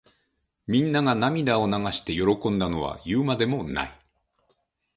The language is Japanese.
みんなが涙を流して喜んだのは言うまでもない。